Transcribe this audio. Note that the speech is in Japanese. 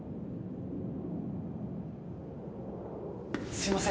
すいません